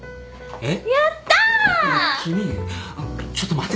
えっ？